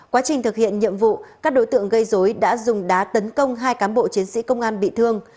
quá trình thực hiện nhiệm vụ các đối tượng gây dối đã dùng đá tấn công hai cán bộ chiến sĩ công an bị thương